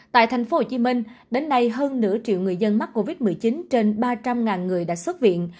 tại tp hcm đến nay hơn nửa triệu người dân mắc covid một mươi chín trên ba trăm linh người đã xuất viện